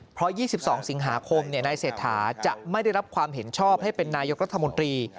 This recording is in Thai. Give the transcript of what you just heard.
เพราะ๒๒สิงหาคมนายเศรษฐาจะไม่ได้รับความเห็นชอบให้เป็นนายกรัฐมนตรี